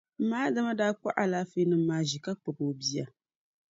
M ma Adama daa kpuɣi alaafeenima maa ʒi ka kpabi o bia.